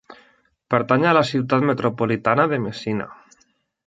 Pertany a la ciutat metropolitana de Messina.